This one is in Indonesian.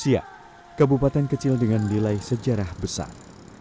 siap kebupatan kecil dengan nilai sejarah besar